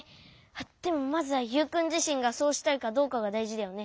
あっでもまずはユウくんじしんがそうしたいかどうかがだいじだよね。